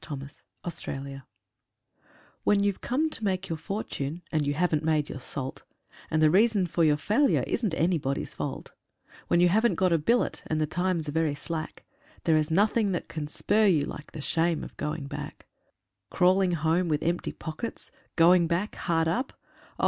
The Shame of Going Back When you've come to make a fortune and you haven't made your salt, And the reason of your failure isn't anybody's fault When you haven't got a billet, and the times are very slack, There is nothing that can spur you like the shame of going back; Crawling home with empty pockets, Going back hard up; Oh!